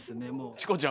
チコちゃん